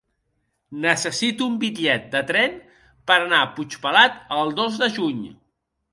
Necessito un bitllet de tren per anar a Puigpelat el dos de juny.